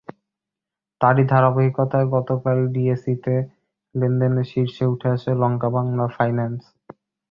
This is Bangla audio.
তারই ধারাবাহিকতায় গতকাল ডিএসইতে লেনদেনে শীর্ষে উঠে আসে লঙ্কাবাংলা ফিন্যান্স।